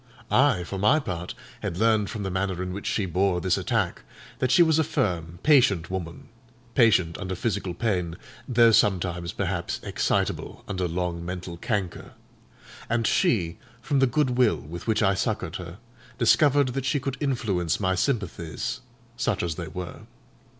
I, for my part, had learned from the manner in which she bore this attack, that she was a firm, patient woman (patient under physical pain, though sometimes perhaps excitable under long mental canker); and she, from the good will with which I succoured her, discovered that she could influence my sympathies (such as they were).